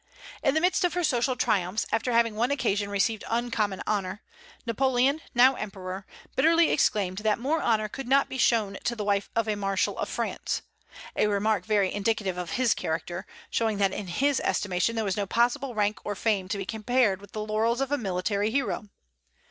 In the midst of her social triumphs, after having on one occasion received uncommon honor, Napoleon, now emperor, bitterly exclaimed that more honor could not be shown to the wife of a marshal of France, a remark very indicative of his character, showing that in his estimation there was no possible rank or fame to be compared with the laurels of a military hero.